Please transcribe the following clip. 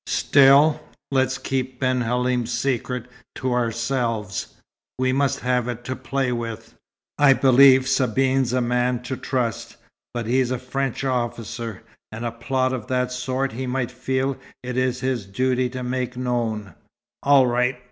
Still, let's keep Ben Halim's secret to ourselves. We must have it to play with. I believe Sabine's a man to trust; but he's a French officer; and a plot of that sort he might feel it his duty to make known." "All right.